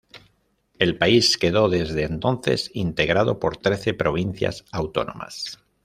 El país quedó desde entonces integrado por trece provincias autónomas.